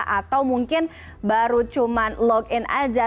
atau mungkin baru cuma login aja